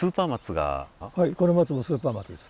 はいこの松もスーパー松です。